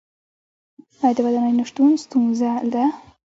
آیا د ودانیو نشتون ستونزه ده؟